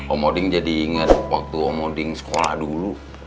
om odin jadi inget waktu om odin sekolah dulu